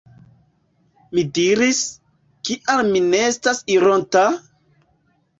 Mi diris; “Kial mi ne estas ironta? »